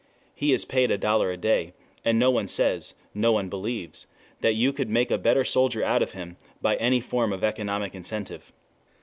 He is paid a dollar a day, and no one says, no one believes, that you could make a better soldier out of him by any form of economic incentive.